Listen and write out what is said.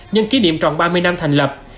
nhân kỷ niệm tròn ba mươi năm thành lập